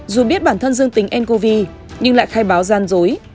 dù biết bản thân dương tính ncov nhưng lại khai báo gian dối